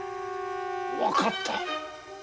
わかった。